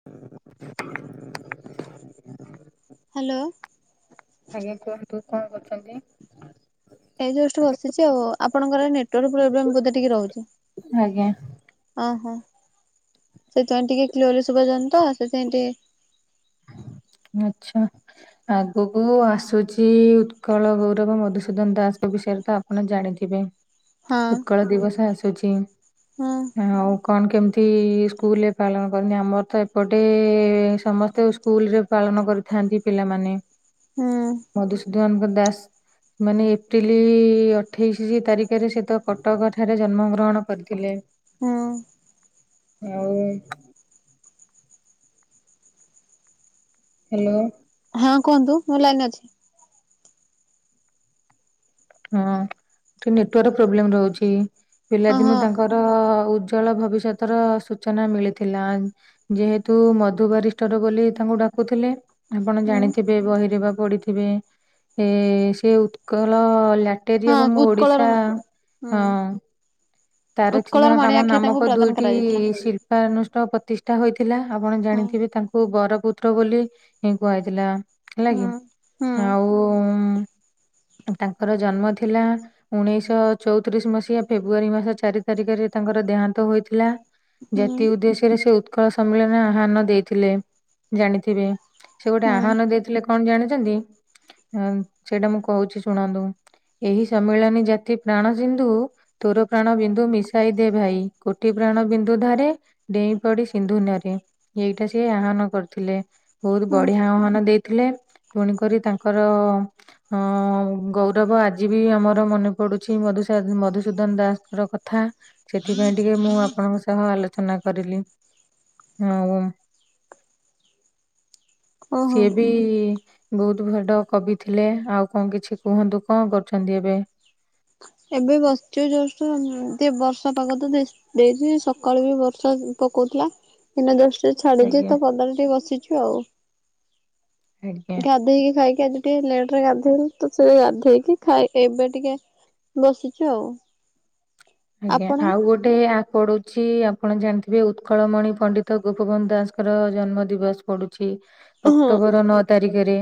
[inaudible] Hello. ଆଜ୍ଞା କୁହନ୍ତୁ କଣ କରୁଛନ୍ତି? ଏଇ ଜଷ୍ଟ ବସିଛି ଆଉ ଆପଣଙ୍କର ନେଟାର୍କ ପ୍ରୋବ୍ଲେମ ବୋଧେ ଟିକେ ରହୁଛି? ଆଜ୍ଞା। ଅହୋ ସେଥିପାଇଁ ଟିକେ କ୍ଲିୟର୍ ଶୁଭାଯାଉନିତ ସେଥିପାଇଁ ଟିକେ ଆଚ୍ଛା। ଆଗକୁ ଆସୁଛି ଉତ୍କଳ ଗୌରବ ମଧୁସୂଦନ ଦାସଙ୍କ ବିଷୟରେ ତ ଆପ ଆପଣ ଜାଣିଥିବେ ଉତ୍କଳ ଦିବସ ଆସୁଛି। ହୁଁ। ଆଉ କଣ କେମିତି ସ୍କୁଲରେ ପାଳନ କରନ୍ତିି। ଆମର ତ ଏପଟେ ସମସ୍ତେ ସ୍କୁଲରେ ପାଳନ କରିଥାନ୍ତି ପିଲାମାନେ। ହୁଁ। ମଧୁସୂଦନଙ୍କ ଦାସ। ମାନେ ଏପ୍ରିଲ ଅଠେଇଶି ତାରିଖରେ ସେ ତ କଟକ ଠାରେ ଜନ୍ମ ଗ୍ରହଣ କରିଥିଲେ। ହୁଁ। ଆଉ ହ୍ୟାଲୋ। ହଁ କୁହନ୍ତୁ ମୁଁ ଲାଇନରେ ଅଛି। ହଁ ଟ ନେଟୱାର୍କ ପ୍ରୋବ୍ଲେମ ରହୁଛି ହଁ ହଁ ପିଲାଦିନୁ ତାଙ୍କର ଉଜ୍ଜଳ ଭବିଷ୍ୟତ ର ସୂଚନା ମିଳିଥିଲା। ଯେହେତୁ ମଧୁବାରିଷ୍ଠର ବୋଲି ତାଙ୍କୁ ଡାକୁଥିଲେ। ଆପଣ ହୁଁ ଜାଣିଥିବେ ବହିରେବା ପଡିଥିବେ ଏ ସେ ଉତ୍କଳ ଲା ଏଟେ ହଁ ଯ ମୁ ଓଡିଶା ଉତ୍କଳର ହୁଁ ହ। ତାରଖ ଉତ୍କଳର ମଣି କାମ ଆଖ୍ୟା ତାଙ୍କୁ ନାମକ ପ୍ରଦାନ ଦୁଇଟି କରାଯାଇଥିଲା ଶିଳ୍ପୀ ନୁଷ୍ଟ ପ୍ରତିଷ୍ଠା ହୋଇଥିଲା ଆପଣ ହଁ ଜାଣିଥିବେ ତାଙ୍କୁ। କୋ ବର ପୁତ୍ର ବୋଲି କୁହାଯାଇଥିଲା ହେଲା କି। ହୁଁ ହୁଁ ଆଉ ତାଙ୍କର ଜନ୍ମ ଥିଲା। ଉଣେଇଶହ ଚଉତିରିଶ ମସିହା ଫେବୃୁଆରୀ ମାସ ଚାରି ତାରିଖରେ ତାଙ୍କର ଦେହାନ୍ତ ହୋଇଥିଲା। ହୁଁ ଜାତି ଉଦ୍ଦେଶ୍ୟରେ ସେ ଉତ୍କଳ ସମ୍ମିଳନୀ ଆହ୍ୱାନ ଦେଇଥିଲେ ଜାଣିଥିବେ। ସେ ଗୋଟେ ହୁଁ ଆହ୍ୱାନ ଦେଇଥିଲେ କଣ ଜାଣିଛନ୍ତି ସେଇଟା ମୁଁ କହୁଛି ଶୁଣନ୍ତୁ। ଏହି ସମ୍ମିଳନୀ ଜାତି ପ୍ରାଣ ସିନ୍ଧୁ। ତୋର ପ୍ରାଣ ବିନ୍ଦୁ ମିଶାଇ ଦେ ଭାଇ କୋଟି ପ୍ରାଣ ବିନ୍ଦୁ ଧାରେ। ଡେଇଁ ପଡି ସିନ୍ଧୁନରେ ଏଇଟା ସି ଆହ୍ୱାନ କରିୁଥିଲେ। ବହୁତ ହୁଁ ବଢିଆ ଆହ୍ୱାନ ଦେଇଥିଲେ ପଣ କରି ତାଙ୍କର ଗରୁ ବ ଆଜି ବି ଆମର ମନେ ପଡୁଛି ମଧୁସୂଦନ ଦାସଙ୍କର କଥା। ସେଥିପାଇଁ ଟିକେ ମୁଁ ଆପଣଙ୍କ ସହ ଆଲୋଚନା କରିଲି। ହଁ ଓ ଓହୋ ସେ ବି। ବହୁତ ଭଡ କବି ଥିଲେ ଆଉ କଣ କିଛି କୁହନ୍ତୁ କଣ କରୁଛନ୍ତି ଏବେ। ଏବେ ବସିଚ ଯୋଉୁ ବର୍ଷା ପାଗ ତ ଦେ ଦେଇଚି ସକାଳୁ ବି ବର୍ଷା ପକଉଥିଲା ଦିନ ଦ ସେ ଛାଡିଛି ଆଜ୍ଞା ତ ପଦାରେ ଟିକେ ବସିଛୁ ଆଉ। ଆଜ୍ଞା ଗାଧେଇକି ଖାଇକି ଆଜି ଟିକେ ଲେଟ ରେ ଗାଧୋଇଲୁ ତ ସଏ ଗାଧୋଇେଇକି ଖାଏ ଏବେ ଟିକେ ବସିଛୁ ଆଉ। ଆଜ୍ଞା ଆପଣ ଆଉ ଗୋଟେ ଗୋଟେ ପଡୁଛି ଆପଣ ଜାଣିଥିବେ ଉତ୍କଳମଣି ପଣ୍ଡିତ ଗୋପବନ୍ଧୁ ଦାସଙ୍କର ଜନ୍ମ ଦିବସ ପଡୁଛି ଛି ହଁ ଅକ୍ଟୋବର ନଅ ତାରିଖରେ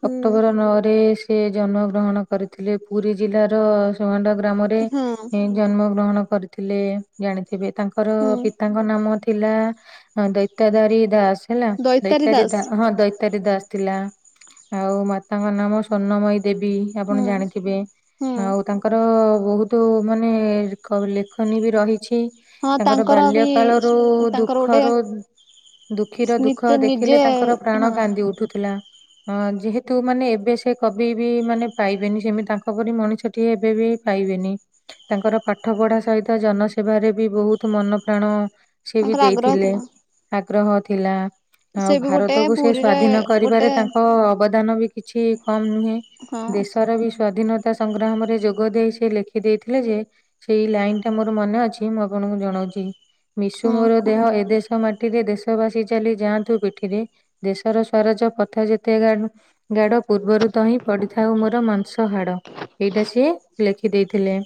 ହୁଁ ଅକ୍ଟୋବର ନଅରେ ସେ ଜନ୍ମ ଗ୍ରହଣ କରିଥିଲେ। ପୁରୀ ଜିଲ୍ଲାର ସୁହାଣ୍ଡ ଗ୍ରାମରେ ହଁ ଜନ୍ମ ଗ୍ରହଣ କରିଥିଲେ ଜାଣିଥିବେ ତାଙ୍କର ହୁଁ ପି ତାଙ୍କ ନାମ ଥିଲା ଦୈତାଧାରୀ ଦାସ ହେଲା ଦୈତାରୀ ଦାସ ହଁ ତାରୀ ଦାସ ଥିଲା ଆଉ ମାତାଙ୍କ ନାମ ସଵର୍ଣ୍ଣମୟୀ ଦେବୀ। ଆପଣ ହୁଁ ଜାଣିଥିବେ ହୁଁ ଆଉ ତାଙ୍କର ବହୁତ ମାନେ ଲେଖନୀ ବି ରହିଛି ହଁ ତାଙ୍କର ବାଲ୍ୟ ବି କାଳରୁ ତାଙ୍କର ଗୋଟେ ଦୁଃଖରୁ ଦୁଃଖୀର ଦୁଃଖ ନିତେ ଦେଖିଲେ ନିଜେ ତାଙ୍କର ପ୍ରାଣ ହଁ କାନ୍ଦି ଉଠୁଥିଲା। ହଁ ଯେହେତୁ ମାନେ ଏବେ ସେ କବି ବି ମାନେ ପାଇବେନି ସେମିତି ତାଙ୍କ ପରି ମଣିଷଟି ଏବେ ବି ପାଇବେନି। ତାଙ୍କର ପାଠ ପଢା ସହିତ ଜନସେବାରେ ବି ବହୁତ ମନ ପ୍ରାଣ ସେ ବି ତାଙ୍କର ଆଗ୍ରହ ଦେଇଥିଲେ। ଥିଲା ଆଗ୍ରହ ଥିଲା। ସେ ଆଉ ବି ଗୋଟେ ଭାରତକୁୁ ସେ ପୁରୀରେ ସ୍ଵାଧୀନ ଗୋଟେ କରିବାରେ ତାଙ୍କ ଅବଦାନ ବି କିଛି କମ ନୁହେଁ। ହଁ ଦେଶର ବି ସ୍ଵାଧୀନତା ତା ସଂଗ୍ରାମରେ ଯୋଗ ଦେଇେଇ ସେ ଲେଖି ଦେଇେଇଥିଲେ ଯେ। ସେଇ ଲାଇନ ଟା ମୋର ମନେ ଅଛି ମୁଁ ଆପଣଙ୍କୁ ଜଣାଉଛି। ମିଶୁ ହଁ ମୋର କ ଦେହ ଏ ଦେ ମାଟିରେ ଦେଶ ବାସି ଚାଲି ଯାଆନ୍ତୁ ପିଠିରେ ଦେଶର ସ୍ଵରଜ ପଥ ଯେତେ ଗା ଗାଡ ପୂର୍ବରୁ ତ ହିଁ ପଡିଥାଉ ମୋର ମାଂସ ହାଡ। ଏଇଟା ସିଏ ଲେଖି ଦେଇେଇଥିଲେ।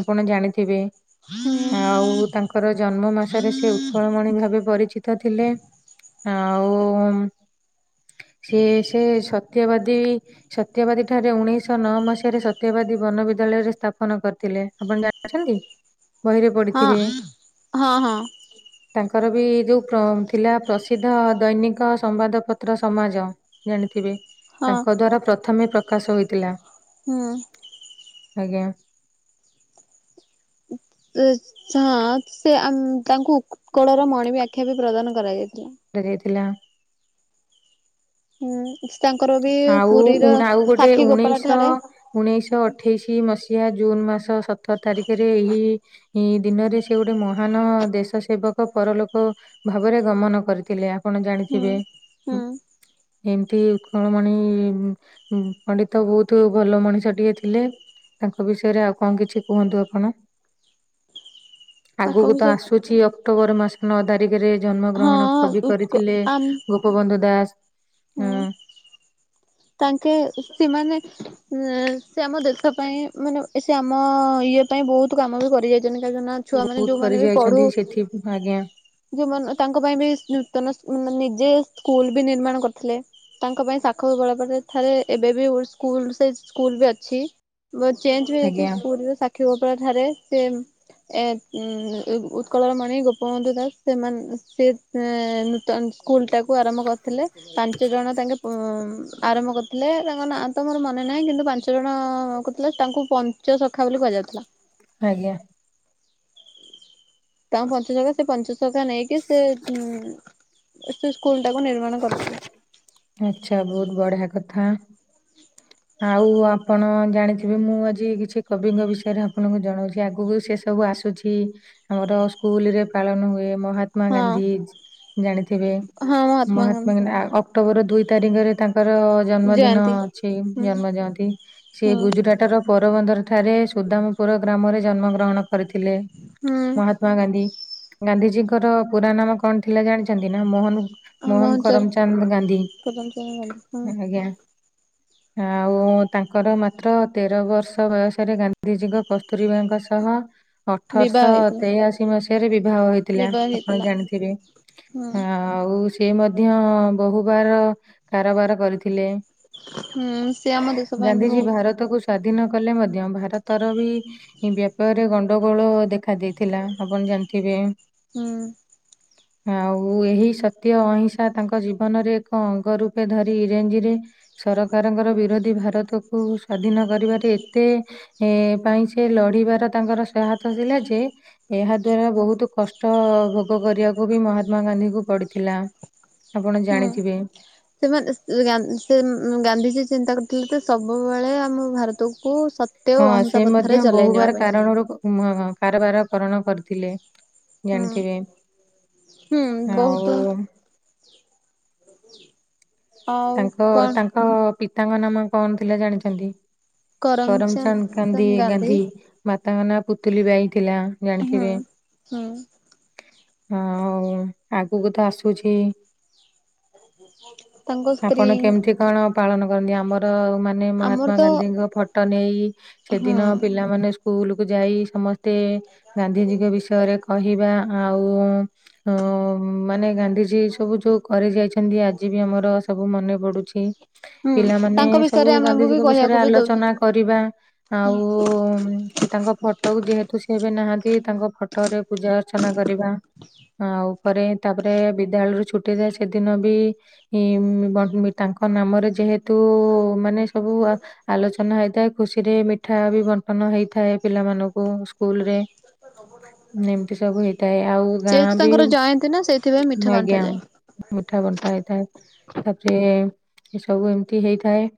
ଆପଣ ଜାଣିଥିବେ? ହଁ। ଆଉ ତାଙ୍କର ଜନ୍ମ ମାସରେ ସେ ଉତ୍କଳମଣି ଭାବେ ପରିଚିତ ଥିଲେ। ଆଉ ସିଏ ସେ ସତ୍ୟବାଦୀ। ସତ୍ୟବାଦୀ ଠାରେ ଉଣେଇଶ ନଅ ମସିହାରେ ସତ୍ୟବାଦୀ ବନବିଦ୍ୟାଳୟରେ ସ୍ଥାପନ କରିଥିଲେ। ଆପଣ ଯାଣିଅଛନ୍ତି? ହଁ ହଁ ହଁ। ତାଙ୍କର ବି ଯୋଉ ପ୍ର ଥିଲା ପ୍ରସିଦ୍ଧ ଦୈନିକ ସମ୍ବାଦପତ୍ର ସମାଜ। ଜାଣିଥିବେ ହଁ ତାଙ୍କ ଦ୍ଵାରା ପ୍ରଥମେ ପ୍ରକାଶ ହୋଇଥିଲା। ହୁଁ। ଆଜ୍ଞା। ଉଁ ହଁ ସେ ତାଙ୍କୁ ଉତ୍କଳର ମଣି ବି ଆଖ୍ୟା ବି ପ୍ରଦାନ କରାଯାଇଥିଲା। ଦିଆ ଯାଇଥିଲା। ହୁଁ ତାଙ୍କର ବି ଆଉ ପୁରୀର ଉଣ ଆଉ ଗୋଟେ ସାକ୍ଷୀ ଗୋପାଳ ଉଣେଇଶ ଠାରେ ଉଣେଇଶହ ଅଠେଇଶି ମସିହା ଜୁନ୍ ମାସ ସତର ତାରିଖରେ ଏହି ଏଇ ଦିନରେ ସେ ଗୋଟେ ମହାନ ଦେଶ ସେବକ ପରଲୋକ ଭାବରେ ଗମନ କରିଥିଲେ ଆପଣ ହୁଁ ଜାଣିଥିବେ ହୁଁ ଏମିତି। ଉତ୍କଳମଣି ପଣ୍ଡିତ ବହୁତ୍ ଭଲ ମଣିଷଟିଏ ଥିଲେ। ତାଙ୍କ ବିଷୟରେ ଆଉ କଣ କିଛି କୁହନ୍ତୁ ଆପଣ? [inaudible] ଆଗକୁ ତ ବିଷୟ ଆସୁଚି ଅକ୍ଟୋବର ମାସ। ନଅ ତାରିକିରେ ଜନ୍ମ ହଁ ଗ୍ରହଣ କବି ଉତ୍କ କରିଥିଲେ ଆମ ଗୋପବନ୍ଧୁ ଦାସ। ହୁଁ। ହଁ ତାଙ୍କେ ସେମାନେ ନା ସେ ଆମ ଦେଶ ପାଇଁ ମାନେ ସେ ଆମ ଇଏ ପାଇଁ ବହୁତ କାମ ବି କରି ଯାଇ ତିନ ଚାରିଜଣ ନାଖ ଛୁଆ ମାନେ ବହୁତ କରି ଯୋଉମାନେ ବି ପଢୁ। ଯାଇଛନ୍ତି ସେଥି ଆଜ୍ଞା ଯୋଉମାନେ ତାଙ୍କ ପାଇଁ ବି ନୂତନ ନିଜେ ସ୍କୁଲ ବି ନିର୍ମାଣ କରିଥିଲେ। ତାଙ୍କ ପାଇଁ ସାଖିଗୋପାଳ। ତାପ ଥରେ ଏବେ ବି ଉଲୁସ୍ ସ୍କୁଲ ସେ ସ୍କୁଲ ବି ଅଛି ଚେଞ୍ଜେ ବି ହେଇଛି ଆଜ୍ଞା ସ୍କୁଲ ସା ସାଖିଗୋପାଳଠାରେ ସେମେ ଏ ଉତ୍କଳର ମଣି ଗୋପବନ୍ଧୁ ଦାସ ସେମାନେ ସେ ସେ ନୂତନ ସ୍କୁଲଟାକୁ ଆରମ୍ଭ କରିଥିଲେ ପାଞ୍ଚ ଜଣ ତାଙ୍କେ ଆରମ୍ଭ କରିଥିଲେ ତାଙ୍କ ନାଁ ତ ମୋର ମନେ ନାହିଁ କିନ୍ତୁ ପାଞ୍ଚ ଜଣ କରୁଥିଲେ ତାଙ୍କୁ ପଞ୍ଚ ଶଖା ବୋଲି କୁହାଯାଉଥିଲା। ଆଜ୍ଞା। ତାଙ୍କ ପଞ୍ଚ ସଖା ସେ ପଞ୍ଚ ସଖା ନେଇକି ସେ ଉ ସେ ସ୍କୁଲ ଟାକୁ ନିର୍ମାଣ କରିଥିଲେ। ଆଛା ବହୁତ୍ ବଢିଆ କଥା। ଆଉ ଆପଣ ଜାଣିଥିବେ ମୁଁ ଆଜି କିଛି କବିଙ୍କ ବିଷୟରେ ଆପଣଙ୍କୁ ଜଣାଉଛି ଆଗକୁ ସେ ସବୁ ଆସୁ ଉଛି ଆମର ସ୍କୁଲ ରେ ପାଳନ ହୁଏ ମହା ମହାତ୍ମା ହଁ ଗାନ୍ଧୀ ଜାଣିଥିବେ ହଁ ମହାତ୍ମା ଗାନ୍ଧ ଗାନ୍ଧୀ ଅକ୍ଟୋବର ଦୁଇ ତାରିଖରେ ତାଙ୍କ ତାଙ୍କର ଜନ୍ମଦିନ ଜୟନ୍ତୀ ଅଛି ହୁଁ ଜନ୍ମ ଜୟନ୍ତୀ ସିଏ ହୁଁ ଗୁଜୁରାଟ ର ପୋରବନ୍ଦର ଠାରେ ସୁଦାମପୁର ଗ୍ରାମରେ ଜନ୍ମ ଗ୍ରହଣ କରିଥିଲେ ହୁଁ ମହାତ୍ମା ମହାତ୍ମା ଗାନ୍ଧୀ ଗାନ୍ଧିଜୀଙ୍କର ପୁରା ନାମ କଣ ଥିଲା ଜାଣିଛନ୍ତି ନା ମୋହନ୍ ଆମ ମୋହନ ଅଞ୍ଚଳ କରମଚାନ୍ଦ ଗାନ୍ଧୀ ସ୍ୱତନ୍ତ୍ର ଗାନ୍ଧୀ ହଁ ଆଜ୍ଞା। ଆଉ ତାଙ୍କର ମାତ୍ର ତେର ବର୍ଷ ବୟସରେ ଗାନ୍ଧିଜୀଙ୍କ କସ୍ତୁରିବାଙ୍କ ସହ ବିବାହ ଅଠରଶହ ହେଇଥିଲା ତେୟାଅଶି ମସିହାରେ ବିବାହ ହୋଇଥିଲା ବିବାହ ଆପଣ ହେଇଥିଲା ଜାଣିଥିବେ ହୁଁ ଆ ଆଉ ସିଏ ମଧ୍ୟ ବୋହୁବାର କାରବାର କରିଥିଲେ। ହୁଁ। ସେ ଆମ ଦେଶ ପାଇଁ ବି ଗାନ୍ଧିଜୀ ବହୁତ ଭାରତକୁୁ ସ୍ଵାଧୀନ କଲେ ମଧ୍ୟ ଭାରତର ବି ବ୍ୟାପାରରେ ଗଣ୍ଡଗୋଳ ଦେଖା ଦେଇଥିଲା ଆପଣ ଜାଣିଥିବେ। ହୁଁ। ଆଉ ଏହି ସତ୍ୟ ଅହିଂସା ତାଙ୍କ ଜୀବନରେ ଏକ ଅଙ୍ଗ ରୂପେ ଧରି ଇରେଞ୍ଜିରେ ସରକାରଙ୍କର ବିରୋଧୀ ଭାରତକୁ ସ୍ଵାଧୀନ କରିବାରେ ଏତେ ଏ ପାଇଁ ସେ ଲଢ଼ିବାର ତାଙ୍କର ସହାୟତା ଥିଲା ଯେ ଏହା ଦ୍ଵାରା ବୋହୁତ କଷ୍ଟ ଭୋଗ କରିବାକୁ ବି ମହାତ୍ମା ଗାନ୍ଧୀଙ୍କୁ ପଡ଼ିଥିଲା। ଆପଣ ହୁଁ ଜାଣିଥିବେ। ସେମାନେ ସେ ଗା ସେ ଗାନ୍ଧିଜୀ ଚିନ୍ତା କରିଥିଲେ ଯେ ସବୁବେଳେ ଆମ ଭାରତକୁ ସ ହଁ ସେ ମଧ୍ୟ ବୋହୁବାର କାରଣରୁ କାରବାର କରଣ କରିଥିଲେ। ହୁଁ ଜାଣିଥିବେ ହୁଁ ଆଉ ବହୁତ ହୁ ତାଙ୍କ ତାଙ୍କ ପିତାଙ୍କ ନାମ କଣ ଥିଲା ଜାଣିଚନ୍ତି? କରମଚାନ୍ଦ ଗାନ୍ଧି ଗାନ୍ଧୀ। ମାତାଙ୍କ ନାଁ ପୁତୁଲି ବାଇ ଥିଲା ହୁଁ ଜାଣିଥିବେ। ହୁଁ ଅ ଆଉ ଆଗକୁ ତ ଆସୁଛି ମୁ ଆପଣ କେମିତି କଣ ପାଳନ କରନ୍ତି ଆମର ମା ନେ ଆମର ମହାତ୍ମା ତ ଗାନ୍ଧୀଙ୍କ ଫଟୋ ନେଇ ହୁଁ ସେଦିନ ପିଲାମାନେ ସ୍କୁଲ କୁ ଯାଇ ସମ ତେ ଗାନ୍ଧିଜୀଙ୍କ ବିଷୟରେ କହିବା ଆଉ ମାନେ ଗାନ୍ଧିଜୀ ସବୁ ଯୋଉ କରି ଯାଇଛନ୍ତି ଆଜି ବି ଆମର ସବୁ ମନେ ପଡ଼ୁଛି ହୁଁ ପିଲାମାନେ ତାଙ୍କ ସବୁ ବିଷୟରେ ଆମକୁ ବି ଗାନ୍ଧିଜୀଙ୍କ ବିଷୟରେ କହିବାକୁ ବି ଆଲୋଚନା ଦଉଛନ୍ତି। କରିବା ହୁଁ ଆଉ ସେ ତାଙ୍କ ଫଟୋକୁ ଯେହେତୁ ସେ ଏବେ ନାହାନ୍ତି ତାଙ୍କ ଫ ଟରେ ପୂଜା ଅର୍ଚ୍ଚନା କରିବା। ଆଉ ପରେ ତାପରେ ବିଦ୍ୟାଳୟରୁ ଛୁଟି ଦେ ସେଦିନ ବି ଉମ୍ ବ ମି ତାଙ୍କ ନାମରେ ଯେହେତୁ ମାନେ ସବୁ ଆଲୋଚନା ହେଇଥାଏ ଖୁସିରେ ମିଠା ବି ବଣ୍ଟନ ହେଇଥାଏ ପିଲାମାନଙ୍କୁ ସ୍କୁଲରେ। ଏମିତି ସବୁ ହେଇଥାଏ ଆଉ ଗାଁ ଯେହେତୁ ବି ତାଙ୍କର ଜୟନ୍ତୀ ନା ସେଇଥିପାଇଁ ମିଠା ଆଜ୍ଞା ବଣ୍ଟାଯାଏ। ମିଠା ବଣ୍ଟା ହେଇଥାଏ। ତାପରେ ଏ ସବୁ ଏମିତି ହେଇଥାଏ।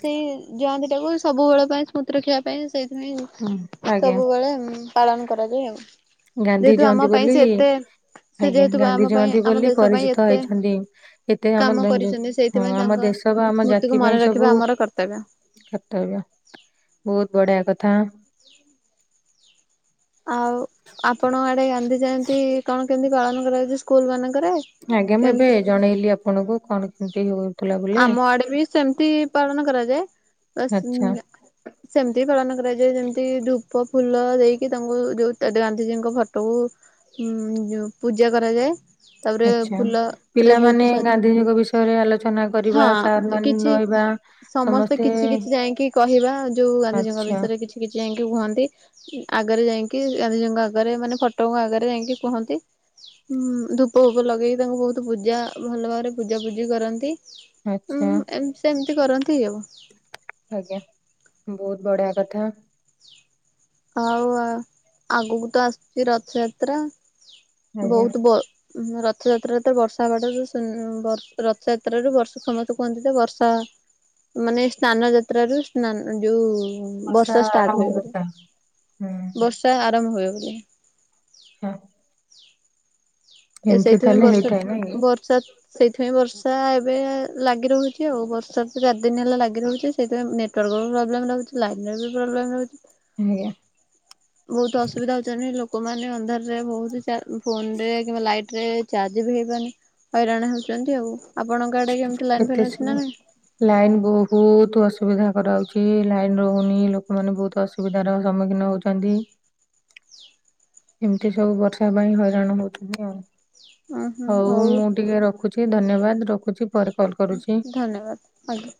ସେଇ ଜୟନ୍ତୀ ଟାକୁ ସବୁବେଳ ପାଇଁ ସ୍ମୃ ତି ରଖିବା ପାଇଁ ହୁଁ, ସେଇଥିପାଇଁ ଆଜ୍ଞା ସବୁବେଳେ ପାଳନ କରାଯାଏ ଆଉ। ଗାନ୍ଧୀ ଯେହେତୁ ଆମ ଜଅନ୍ତି ପାଇଁ ବୋଲି ସେ ଏତେ ସେ ଆଜ୍ଞା ଯେହେତୁ ଆମ ଗାନ୍ଧୀ ପାଇଁ ଜୟନ୍ତୀ ଆମ ବୋଲି ଦେଶ ପାଇଁ ପରିଚିତ ଏତେ ହେଇଛନ୍ତି ଏତେ ଆମ କାମ କରିଛନ୍ତି ହଁ ସେଇଥିପାଇଁ ତାଙ୍କ ଆମ ଦେଶ ବା ଆମ ସ୍ମୃତିକୁ ଜାତି ମନେ ପାଇଁ ରଖିବା ସବୁ ଆମର କର୍ତ୍ତବ୍ୟ କର୍ତ୍ତବ୍ୟ ବୋହୁତ ବଢ଼ିଆ କଥା। ଆଉ ଆପଣ ଆଡ଼େ ଗାନ୍ଧି ଜୟନ୍ତୀ କଣ କେମିତି ପାଳନ କରାଯାଉଚି ସ୍କୁଲ ମାନଙ୍କରେ? ଆଜ୍ଞା ମୁଁ ଏବେ କେମତି ଜଣେଇଲି ଆପଣଙ୍କୁ କଣ କେମିତି ହୋଉ ଆମ ଆଡ଼େ ବି ସେମିତି ପାଳନ କରାଯାଏ ବାସ୍ ଆଚ୍ଛା ସେମିତି ପାଳନ କରାଯାଏ ଯେମିତି ଧୂପ ଫୁଲ ଦେଇକି ତାଙ୍କୁ ଯୋଉ ଗାନ୍ଧିଜୀଙ୍କ ଫଟୋକୁ ଉଁ ଯଉ ପୂଜା କରାଯାଏ ତାପରେ ଫୁଲରେ ବହୁତ ସ ଜିଙ୍କ ବିଷୟରେ ଆଲୋ ହଁ, କିଛି ସମସ୍ତେ କିଛି କିଛି ଯାଇକି କହିବା। ଯୋଉ ଗାନ୍ଧିଜୀଙ୍କ ଆଚ୍ଛା ବିଷୟରେ କିଛି କିଛି ଯାଇକି କୁହନ୍ତି। ଆଗରେ ଯାଇକି ଗାନ୍ଧିଜିଙ୍କ ଆଗରେ ମାନେ ଫଟୋଙ୍କ ଆଗରେ ଯାଇକି କୁହନ୍ତି। ହୁଁ, ଧୂପୂଫୁପ ଲଗେଇକି ତାଙ୍କୁ ବହୁତ ପୂଜା ଭଲ ଭାବରେ ପୂଜା ପୂଜି କରନ୍ତି। ଆଚ୍ଛା ଏମିତି ସେମିତି କରନ୍ତି ଆଉ ଆଜ୍ଞା, ବହୁତ ବଢିଆ କଥା। ଆଉ ଆଗକୁ ତ ଆସୁଛି ରଥଯାତ୍ରା। ଆଜ୍ଞା ବହୁତ ବ ରଥଯାତ୍ରା ତ ବର୍ଷା ହେବାଟା, ରଥଯାତ୍ରାରୁ ବର୍ଷ ସମସ୍ତେ କୁହନ୍ତି ତ ବର୍ଷା ମାନେ ସ୍ନାନ ଯାତ୍ର ରୁ ସ୍ନାନ ଯୋଉ ବର୍ଷା ଷ୍ଟାର୍ଟ ଆରମ୍ଭ ହୁଏ ବୋଲି। କଥା ହୁଁ ବର୍ଷା ଆରମ୍ଭ ହୁଏ ବୋଲି। ଆଚ୍ଛା ଏ ଏମିତି ସେଇଥିପାଇଁ ତାହେଲେ ବର୍ଷା ହେଇଥାଏ ନାଇଁ କି ବର୍ଷା ସେଇଥିପାଇଁ ବର୍ଷା ଏବେ ଲାଗି ରହୁଛି ଆଉ। ବର୍ଷା ତ ଚାରି ଦିନ ହେଲା ଲାଗି ରହୁଛି। ସେଥିପାଇଁ ନେଟୱାର୍କ ପ୍ରୋବଲେମ୍ ରହୁଛି। ଲାଇନ୍ ର ବି ପ୍ରୋବଲେମ୍ ରହୁଛି। ହେୟା ବହୁତ ଅସୁବିଧା ହଉଛନ୍ତି ଲୋକମାନେ ଅନ୍ଧାରରେ ବହୁତ ଫୋନ ରେ ଚାର୍ଜ ବି ହେଇପାରୁନି ହଇରାଣ ହେଉଛନ୍ତି ଆଉ। ଆପଣଙ୍କ ଆଡେ କେମିତି ଲାଇନ ଫେନ୍ ଅଛି ନା ନାହିଁ। ଲାଇନ୍ ବହୁତ ଅସୁବିଧା କରାଉଛି। ଲାଇନ ରହୁନି ଲୋକମାନେ ବହୁତ ଅସୁ ଅସୁବିଧାର ସମ୍ମୁଖୀନ ହଉଛନ୍ତି। [inaudible] ଏମିତି ସବୁ ବର୍ଷା ପାଇଁ ହଇରାଣ ହଉଛନ୍ତି ଆଉ। ଉଁ ହୁଁ ହଉ ମୁଁ ଟିକେ ରଖୁଛି। ଧନ୍ୟବାଦ ରଖୁଛି ପରେ କଲ କରୁଛି। ଧନ୍ୟବାଦ। ଆଜ୍ଞା